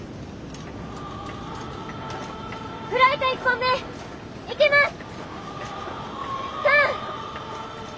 フライト１本目いきます！